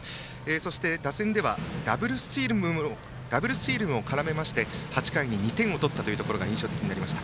そして、打線ではダブルスチールも絡めまして８回に２点を取ったところが印象的でした。